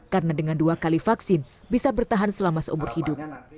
karena dengan dua kali vaksin bisa bertahan selama seumur hidup